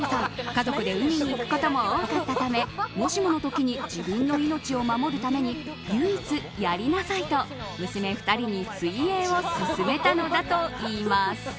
家族で海に行くことも多かったためもしもの時に自分の命を守るために唯一やりなさいと娘２人に水泳を勧めたのだといいます。